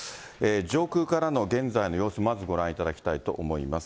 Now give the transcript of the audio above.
上空からの現在の様子、まずご覧いただきたいと思います。